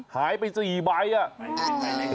หายไปสี่ใบ